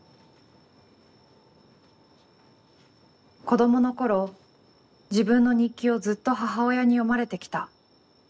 「子どもの頃、自分の日記をずっと母親に読まれてきた。